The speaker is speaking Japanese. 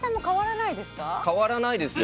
変わらないですよ。